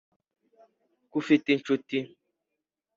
ko ufite inshuti